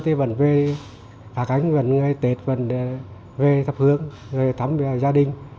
thăm gia đình